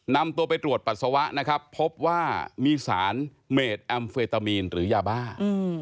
นำตัวไปตรวจปัสสาวะนะครับพบว่ามีสารเมดแอมเฟตามีนหรือยาบ้า